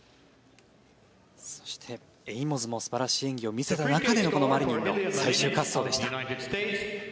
そしてエイモズも素晴らしい演技を見せた中でのこのマリニンの最終滑走でした。